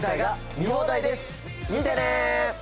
見てね！